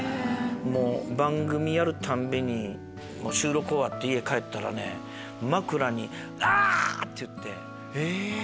番組やるたんびに収録終わって家帰ったらね枕にあ！って言って。